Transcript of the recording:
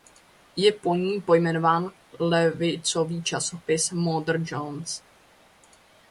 Je po ní pojmenován levicový časopis "Mother Jones".